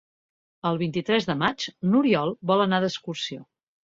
El vint-i-tres de maig n'Oriol vol anar d'excursió.